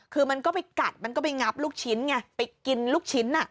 คือมันก็ไปกัดมันก็ไปงับลูกชิ้นไงไปกินลูกชิ้น